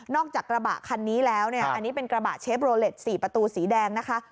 จากกระบะคันนี้แล้วเนี่ยอันนี้เป็นกระบะเชฟโรเล็ต๔ประตูสีแดงนะคะ